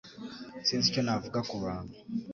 Sinzi icyo navuga kubantu.